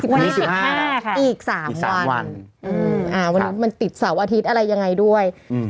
วันที่สิบห้าค่ะอีกสามวันอืมอ่าวันนี้มันติดเสาร์อาทิตย์อะไรยังไงด้วยอืม